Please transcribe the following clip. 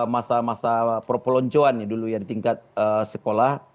masa masa perpeloncoan ya dulu ya di tingkat sekolah